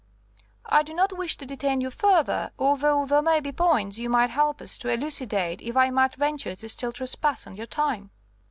"I do not wish to detain you further, although there may be points you might help us to elucidate if I might venture to still trespass on your time?"